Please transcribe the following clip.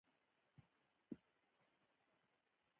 بګرام هوایي اډه څومره لویه ده؟